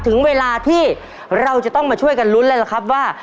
ถึงเวลาที่เราจะต้องมาช่วยกันลุ้นแล้วล่ะครับว่า